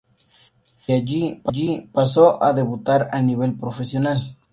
De allí pasó a debutar a nivel profesional.